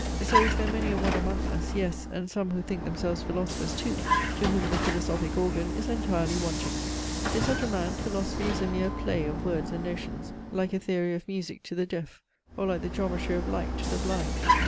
So is there many a one among us, yes, and some who think themselves philosophers too, to whom the philosophic organ is entirely wanting. To such a man philosophy is a mere play of words and notions, like a theory of music to the deaf, or like the geometry of light to the blind.